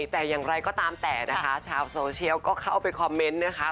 แต่อย่างไรก็ตามแต่นะคะชาวโซเชียลก็เข้าไปคอมเมนต์นะคะ